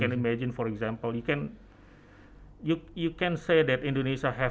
anda bisa mengatakan bahwa indonesia harus